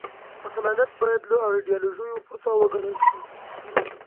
عقلانیت باید له ایډیالوژیو پورته وګڼل شي.